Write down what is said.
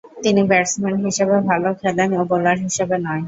তিনি ব্যাটসম্যান হিসেবে ভালো খেলেন ও বোলার হিসেবে নয়।